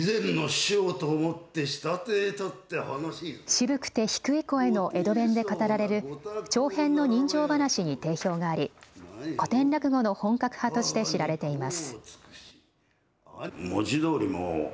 渋くて低い声の江戸弁で語られる長編の人情ばなしに定評があり、古典落語の本格派として知られています。